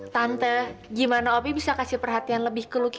tante gimana opi bisa kasih perhatian lebih ke looki